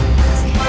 lihat ini rumahnya